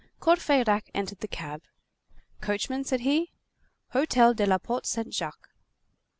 Courfeyrac entered the cab. "Coachman," said he, "hotel de la Porte Saint Jacques."